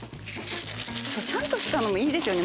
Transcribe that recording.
ちゃんとしたのもいいですよね